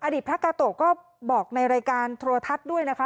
พระกาโตะก็บอกในรายการโทรทัศน์ด้วยนะคะ